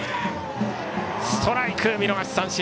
ストライク、見逃し三振！